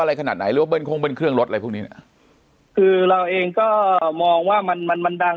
อะไรขนาดไหนหรือว่าเบิ้โค้งเบิ้ลเครื่องรถอะไรพวกนี้เนี่ยคือเราเองก็มองว่ามันมันดัง